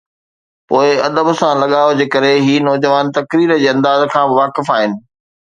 پوءِ ادب سان لڳاءُ جي ڪري هي نوجوان تقرير جي انداز کان به واقف آهن.